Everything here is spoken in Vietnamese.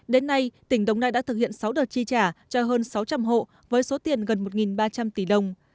đến nay tỉnh đồng nai đã thực hiện sáu đợt chi trả cho hơn sáu trăm linh hộ với số tiền gần một ba trăm linh tỷ đồng